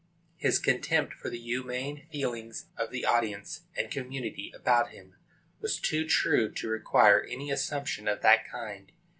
His contempt for the humane feelings of the audience and community about him was too true to require any assumption of that kind.